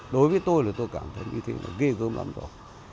đối với tôi là tôi cảm thấy như thế và ghê gớm lắm rồi